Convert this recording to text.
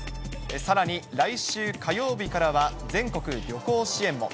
さらに来週火曜日からは、全国旅行支援も。